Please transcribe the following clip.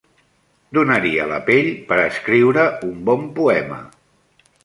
Donaria la pell per escriure un bon poema.